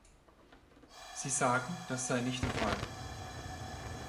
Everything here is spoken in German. Sie sagen, das sei nicht der Fall.